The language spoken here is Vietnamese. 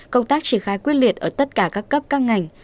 công tác triển khai quyết liệt ở tất cả các cấp các ngành